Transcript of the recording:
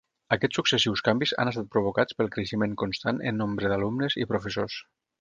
Aquests successius canvis han estat provocats pel creixement constant en nombre d'alumnes i professors.